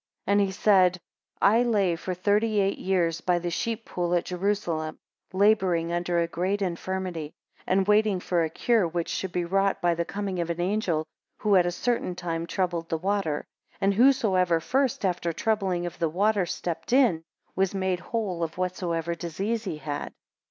14 And he said, I lay for thirty eight years by the sheep pool at Jerusalem, labouring under a great infirmity, and waiting for a cure which should be wrought by the coming of an angel, who at a certain time troubled the water: and whosoever first after the troubling of the water stepped in, was made whole of whatsoever disease he had.